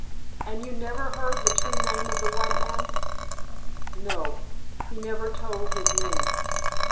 "And you never heard the true name of the white man?" "No. He never told his name."